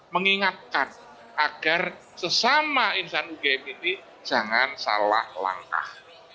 mengingatkan agar sesama insan ugm ini jangan salah langkah